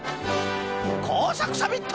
こうさくサミット！